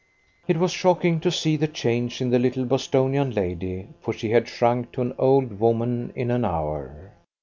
It was shocking to see the change in the little Bostonian lady, for she had shrunk to an old woman in an hour.